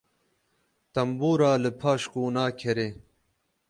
Tembûra li paş qûna kerê.